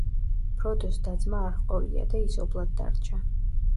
ფროდოს და-ძმა არ ჰყოლია და ის ობლად დარჩა.